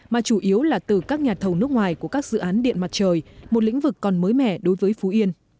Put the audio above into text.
mà chủ yếu là từ các nhà thầu nước ngoài của các dự án điện mặt trời một lĩnh vực còn mới mẻ đối với phú yên